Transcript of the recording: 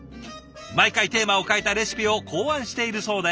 毎回テーマを変えたレシピを考案しているそうで。